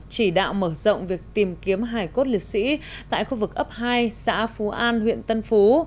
chỉ đạo mở rộng việc tìm kiếm hải cốt liệt sĩ tại khu vực ấp hai xã phú an huyện tân phú